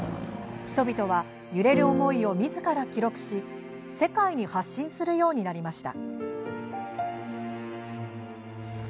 人々は、揺れる思いをみずから記録し世界に発信するようになりました。